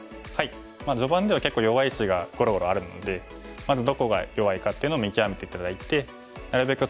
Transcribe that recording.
序盤では結構弱い石がゴロゴロあるのでまずどこが弱いかっていうのを見極めて頂いてなるべく